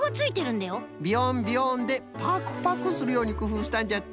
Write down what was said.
ビヨンビヨンでパクパクするようにくふうしたんじゃって。